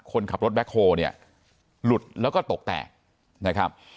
คนขับรถแบ็คโฮเนี่ยหลุดแล้วก็ตกแตกนะครับ